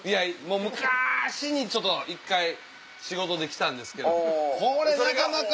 むかしにちょっと一回仕事で来たんですけどこれなかなか。